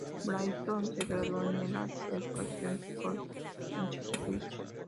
Drayton se graduó en el Arts Educational School en Chiswick.